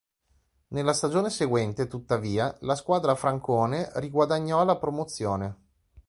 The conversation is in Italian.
Nella stagione seguente, tuttavia, la squadra francone riguadagnò la promozione.